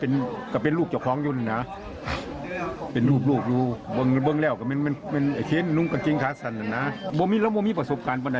แน่นอนหมอเค้นนุ้งกับเกงขาสั้นนะบ่มิเรามองมีประสบการณ์ประใด